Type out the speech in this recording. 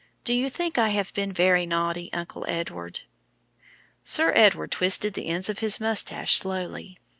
Do you think I have been very naughty, Uncle Edward?" Sir Edward twisted the ends of his moustache slowly.